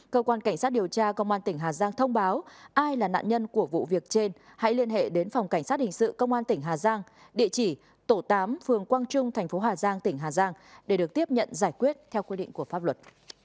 cơ quan cảnh sát điều tra công an tỉnh hà giang thông báo ai là nạn nhân của vụ việc trên hãy liên hệ đến phòng cảnh sát hình sự công an tỉnh hà giang địa chỉ tổ tám phường quang trung thành phố hà giang tỉnh hà giang để được tiếp nhận giải quyết theo quy định của pháp luật